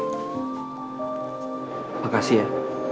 terima kasih ya